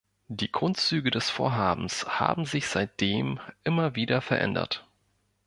Die Grundzüge des Vorhabens haben sich seit dem immer wieder verändert.